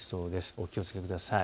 お気をつけください。